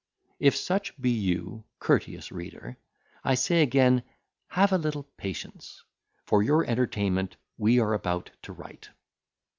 If such you be, courteous reader, I say again, have a little patience; for your entertainment we are about to write.